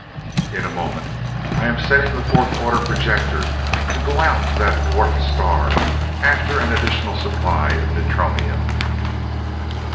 "In a moment. I am setting the fourth order projector to go out to the dwarf star after an additional supply of neutronium."